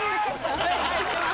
お願いします。